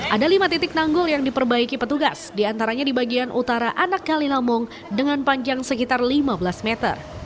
ada lima titik tanggul yang diperbaiki petugas diantaranya di bagian utara anak kali lamong dengan panjang sekitar lima belas meter